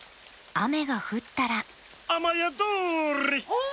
あめがふったらあまやどり！